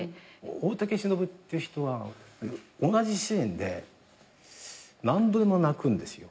大竹しのぶって人は同じシーンで何度でも泣くんですよ。